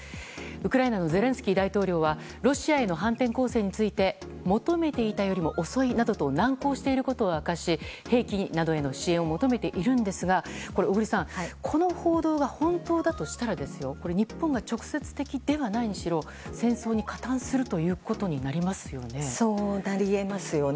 ウクライナのゼレンスキー大統領はロシアへの反転攻勢について求めていたよりも遅いなどと難航していることを明かし兵器などへの支援を求めているんですが小栗さんこの報道が本当だとしたら日本が直接的ではないにしろ戦争に加担するということにそうなり得ますよね。